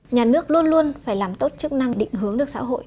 nhà nước luôn luôn phải làm tốt chức năng định hướng được xã hội